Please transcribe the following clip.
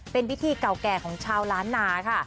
เป็นพิธีเก่าแก่ของชาวล้านนาค่ะ